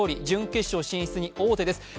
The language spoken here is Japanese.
準決勝進出に王手です。